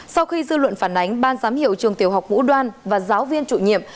sau khi dư luận phản ánh ban giám hiệu trường tiểu học ngũ đoan và giáo viên chủ nhiệm